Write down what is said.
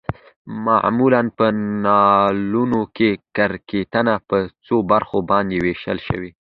معمولا په ناولونو کې کرکترنه په څو برخو باندې ويشل شوي